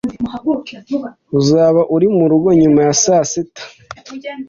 Uzaba uri murugo nyuma ya saa sita?